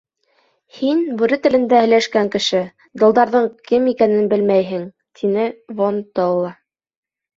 — Һин, бүре телендә һөйләшкән кеше, долдарҙың кем икәнен белмәйһең, — тине Вон-толла.